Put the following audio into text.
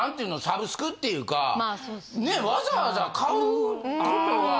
サブスクっていうかねぇわざわざ買う事は。